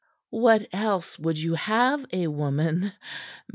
"What else would you have a woman?